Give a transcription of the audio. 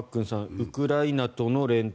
ウクライナとの連帯